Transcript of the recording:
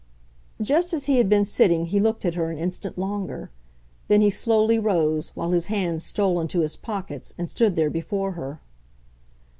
Just as he had been sitting he looked at her an instant longer; then he slowly rose, while his hands stole into his pockets, and stood there before her.